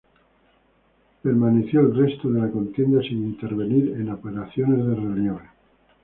Permaneció el resto de la contienda sin intervenir en operaciones de relieve.